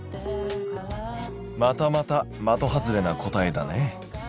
またまた的外れな答えだね。